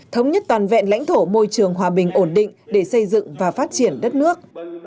thống nhất toàn vẹn lãnh thổ môi trường hòa bình ổn định để xây dựng và phát triển đất nước